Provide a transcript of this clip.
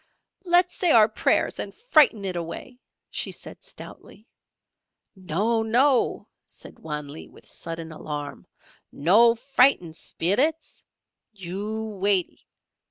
"Let's say our prayers and frighten it away," she said, stoutly. "No! No!" said Wan Lee, with sudden alarm. "No frighten Spillits! You waitee!